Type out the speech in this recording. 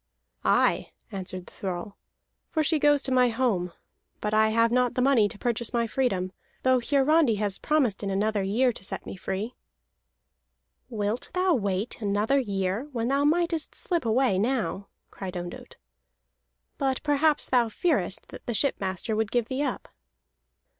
"Aye," answered the thrall, "for she goes to my home. But I have not the money to purchase my freedom, though Hiarandi has promised in another year to set me free." "Wilt thou wait another year when thou mightest slip away now?" cried Ondott. "But perhaps thou fearest that the shipmaster would give thee up."